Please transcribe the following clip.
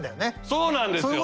そうなんですよ！